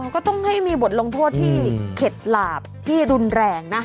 ก็ต้องให้มีบทลงโทษที่เข็ดหลาบที่รุนแรงนะ